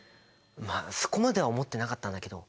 まあそこまでは思ってなかったんだけど。